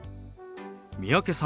三宅さん